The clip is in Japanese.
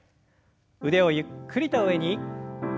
腕をゆっくりと上に。